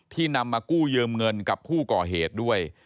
นำมากู้ยืมเงินกับผู้ก่อเหตุด้วย